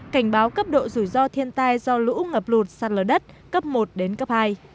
cảnh báo cấp độ rủi ro thiên tai do lũ ngập lụt sạt lở đất cấp một đến cấp hai